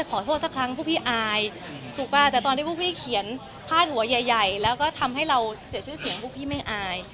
ขอโทษสักครั้งพวกพี่อายถูกป่ะแต่ตอนที่พวกพี่เขียนพาดหัวใหญ่แล้วก็ทำให้เราเสียชื่อเสียงพวกพี่ไม่อาย